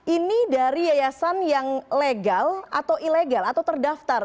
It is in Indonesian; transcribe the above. ini dari yayasan yang legal atau ilegal atau terdaftar